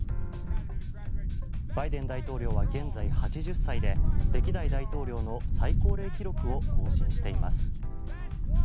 バイデン大統領は現在８０歳で歴代大統領の最高齢記録を更新しています。